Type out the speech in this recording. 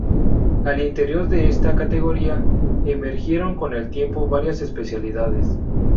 Al interior de esta categoría, emergieron con el tiempo varias especialidades.